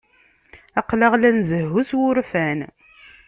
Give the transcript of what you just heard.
Aql-aɣ la nzehhu s wurfan.